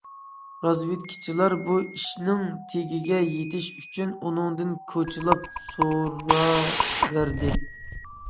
رازۋېدكىچىلار بۇ ئىشنىڭ تېگىگە يېتىش ئۈچۈن ئۇنىڭدىن كوچىلاپ سوراۋەردى.